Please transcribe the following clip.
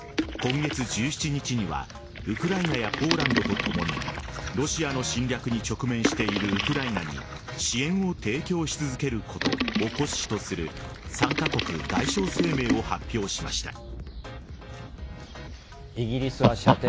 今月１７日にはウクライナやポーランドとともにロシアの侵略に直面しているウクライナに支援を提供し続けることを骨子とする三カ国外相声明を発表しました。